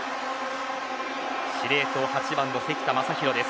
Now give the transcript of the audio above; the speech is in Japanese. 司令塔８番の関田誠大です。